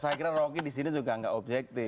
saya kira rocky di sini juga nggak objektif